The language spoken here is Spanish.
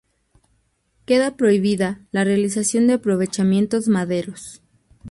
Queda prohibida la realización de aprovechamientos madereros.